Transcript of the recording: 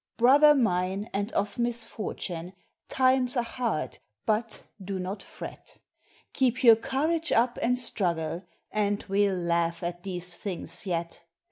Brother mine, and of misfortune ! times are hard, but do not fret, Keep your courage up and struggle, and we'll laugh at these things yet.